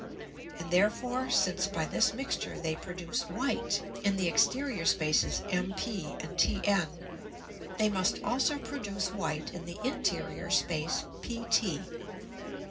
And therefore, since by this Mixture they produce white in the Exterior Spaces MP and TN, they must also produce white in the Interior Space PT.